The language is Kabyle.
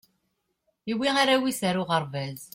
iwwi arraw is ar uɣerbaz